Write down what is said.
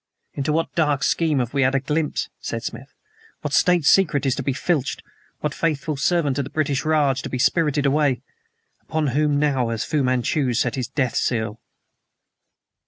"Into what dark scheme have we had a glimpse?" said Smith. "What State secret is to be filched? What faithful servant of the British Raj to be spirited away? Upon whom now has Fu Manchu set his death seal?"